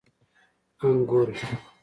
🍇 انګور